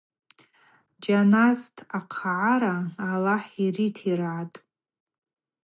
Джьанат ахъгӏара Аллахӏ йритыргӏатӏ.